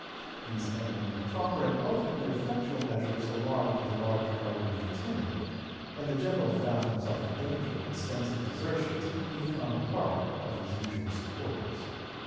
These eminently proper and ultimately effectual measures alarmed the large party of the timid; and the General found himself in danger of extensive desertions even on the part of his usual supporters.